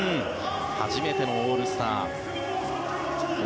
初めてのオールスター。